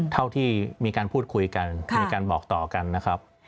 เท่าที่มีการพูดคุยกันมีการบอกต่อกันนะครับ